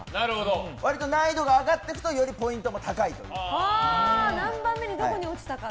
割と難易度が上がっていくとよりポイントも高いです。